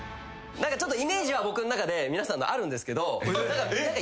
何かちょっとイメージは僕ん中で皆さんのあるんですけど。